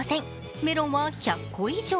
メロンは１００個以上。